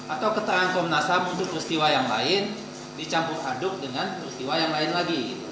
atau keterangan komnas ham untuk peristiwa yang lain dicampur aduk dengan peristiwa yang lain lagi